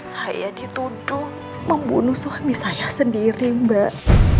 saya dituduh membunuh suami saya sendiri mbak